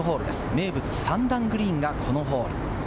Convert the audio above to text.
名物、３段グリーンがこのホール。